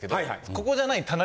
ここじゃない。